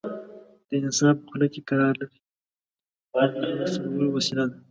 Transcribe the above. د انسان په خوله کې قرار لري او د هغه د ښورولو وسیله ده.